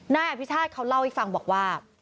นายอภิชาติเขาเล่าให้ฟังบอกว่า